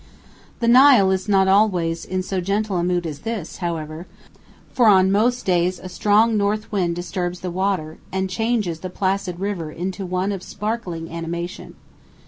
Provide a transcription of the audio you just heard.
The Nile is not always in so gentle a mood as this, however, for on most days a strong north wind disturbs the water, and changes the placid river into one of sparkling animation.